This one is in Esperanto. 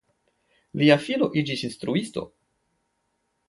Lia filo iĝis instruisto.